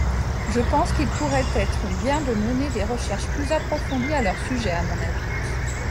Je pense qu’il pourrait être bien de mener des recherches plus approfondies à leur sujet, à mon avis.